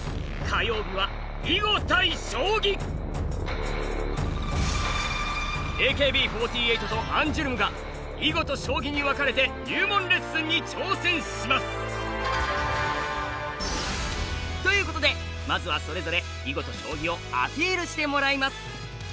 火曜日はＡＫＢ４８とアンジュルムが囲碁と将棋に分かれて入門レッスンに挑戦します！ということでまずはそれぞれ囲碁と将棋をアピールしてもらいます！